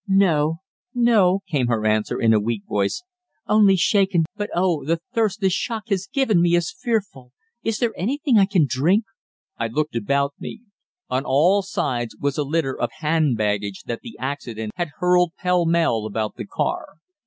"No no," came her answer, in a weak voice, "only shaken but oh, the thirst this shock has given me is fearful. Is there anything I can drink?" I looked about me. On all sides was a litter of hand baggage that the accident had hurled pell mell about the car.